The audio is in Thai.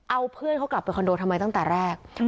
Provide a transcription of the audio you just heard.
เอาเพื่อนเขากลับไปคอนโดทำไมตั้งแต่แรก